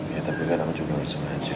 ya tapi kadang juga harus ngajar